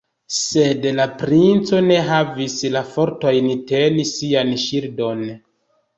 Sed la princo ne havis la fortojn teni sian ŝildon.